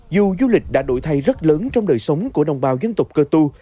dù du lịch đã đổi thay rất lớn trong đời sống của đồng bào dân tộc cơ tu